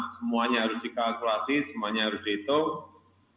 semuanya harus dikalkulasi semuanya harus dihitung